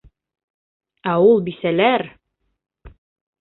Ә ул бисәләр!